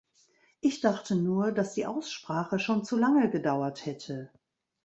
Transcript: Ich dachte nur, dass die Aussprache schon zu lange gedauert hätte.